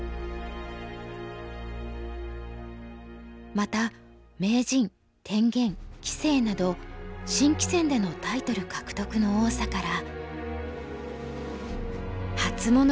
また名人天元棋聖など新棋戦でのタイトル獲得の多さから。